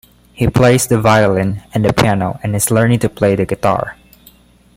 He plays the violin and the piano and is learning to play the guitar.